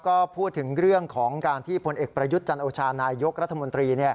ก็พูดถึงเรื่องของการที่พลเอกประยุทธ์จันโอชานายยกรัฐมนตรี